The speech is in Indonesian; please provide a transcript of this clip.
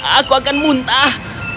aku akan muntah